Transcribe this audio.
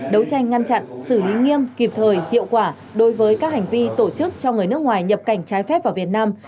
đấu tranh ngăn chặn xử lý nghiêm kịp thời hiệu quả đối với các hành vi tổ chức cho người nước ngoài nhập cảnh trái phép vào việt nam